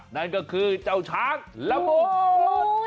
นั่นก็คือเจ้าช้างละมุด